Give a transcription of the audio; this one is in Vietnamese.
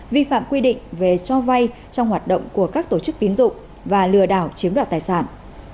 về cho vay trong hoạt động của các tổ chức tiến dụng và lừa đảo chiếm đoạt tài sản